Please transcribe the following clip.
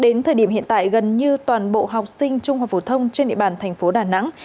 đến thời điểm hiện tại gần như toàn bộ học sinh trung học phổ thông trên địa bàn thành phố đà nẵng